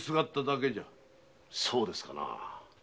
そうですかな？